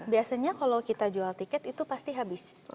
biasanya kalau kita jual tiket itu pasti habis